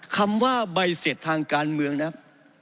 คำว่าใบเสร็จทางการเมืองนะครับ